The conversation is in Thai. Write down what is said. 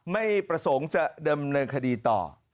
ไม่ประสงค์จะเดิมเนินคดีต่อ